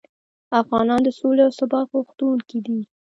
افغانان د سولې او ثبات غوښتونکي دي.